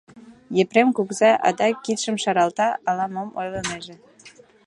Епрем кугыза адак кидшым шаралта, ала-мом ойлынеже.